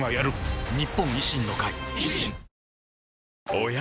おや？